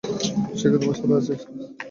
সে কি তোমার সাথে আছে?